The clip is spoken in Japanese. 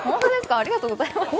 ありがとうございます。